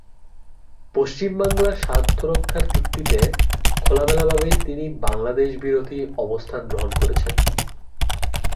পশ্চিম বাংলার স্বার্থ রক্ষার যুক্তিতে খোলামেলাভাবেই তিনি বাংলাদেশবিরোধী অবস্থান গ্রহণ করেছেন।